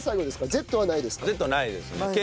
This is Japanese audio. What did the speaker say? Ｚないですね。